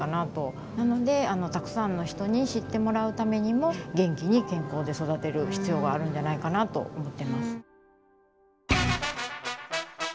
なのでたくさんの人に知ってもらうためにも元気に健康で育てる必要があるんじゃないかなと思ってます。